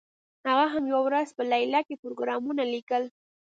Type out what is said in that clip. هغه هم یوه ورځ په لیلیه کې پروګرامونه لیکل